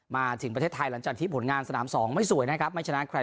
มาถึงประเทศไทยหลังจากที่ผลงานสนาม๒ไม่สวยนะครับไม่ชนะใคร